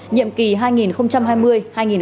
nhiệm kỳ hai nghìn hai mươi hai nghìn hai mươi năm